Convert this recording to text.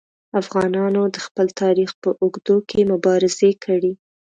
افغانانو د خپل تاریخ په اوږدو کې مبارزې کړي.